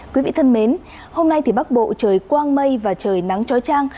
quý vị thân mến hôm nay thì bắc bộ trời quang mây và trời nắng trói trang